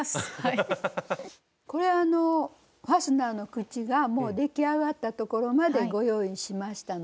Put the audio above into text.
これあのファスナーの口がもう出来上がったところまでご用意しましたので。